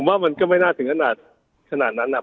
ผมว่ามันก็ไม่น่าถึงขนาดนั้นนะครับ